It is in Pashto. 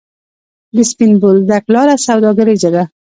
د سپین بولدک لاره سوداګریزه ده